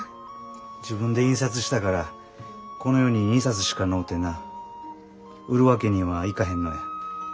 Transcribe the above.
自分で印刷したからこの世に２冊しかのうてな売るわけにはいかへんのや。